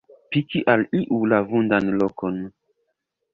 Piki al iu la vundan lokon.